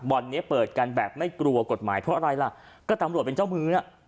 เนี้ยเปิดกันแบบไม่กลัวกฎหมายเพราะอะไรล่ะก็ตำรวจเป็นเจ้ามืออ่ะ